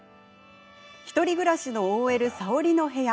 １人暮らしのＯＬ沙織の部屋。